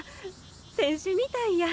選手みたいや。